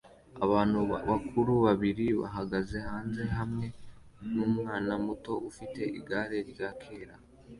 Abantu bakuru babiri bahagaze hanze hamwe numwana muto ufite igare rya kera